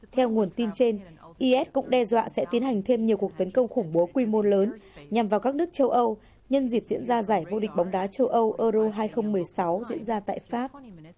theo nguồn tin trên is cũng đe dọa sẽ tiến hành thêm nhiều cuộc tấn công khủng bố quy mô lớn nhằm vào các nước châu âu nhân dịp diễn ra giải vô địch bóng đá châu âu euro hai nghìn một mươi sáu diễn ra tại pháp